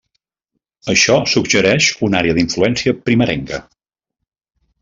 Això suggereix una àrea d'influència primerenca.